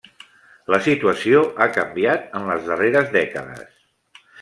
La situació ha canviat en les darreres dècades.